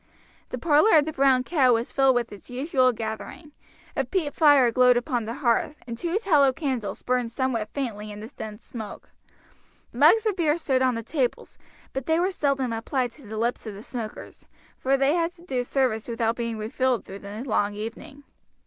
The parlor of the "Brown Cow" was filled with its usual gathering; a peat fire glowed upon the hearth, and two tallow candles burned somewhat faintly in the dense smoke. Mugs of beer stood on the tables, but they were seldom applied to the lips of the smokers, for they had to do service without being refilled through the long evening.